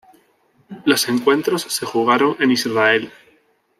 Los encuentros se jugaron en Israel.